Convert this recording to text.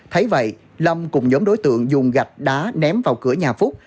thấy vậy lâm cùng nhóm đối tượng dùng gạch đá ném vào cửa nhà phúc